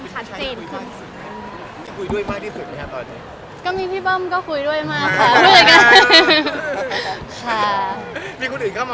อเจมส์พี่โน่นเป็นผู้ชายที่คุยด้วยที่สุดไหม